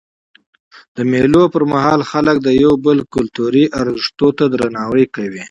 د مېلو پر مهال خلک د یو بل کلتوري ارزښتو ته درناوی کوي.